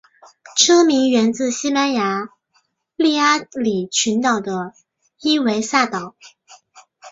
车名源自西班牙巴利阿里群岛的伊维萨岛。